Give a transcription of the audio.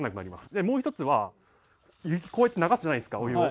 でもう一つはこうやって流すじゃないですかお湯を。